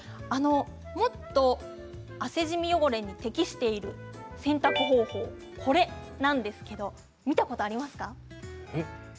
もっと汗じみ汚れに適している洗濯方法これなんですけども見たことありますか？